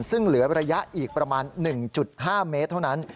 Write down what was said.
ซึ่งเหลือระยะอีกประมาณ๑๕เมตรเท่านั้น